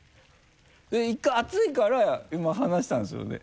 １回熱いから今離したんですよね？